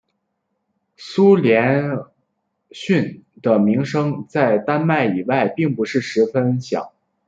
苏连逊的名声在丹麦以外并不是十分响。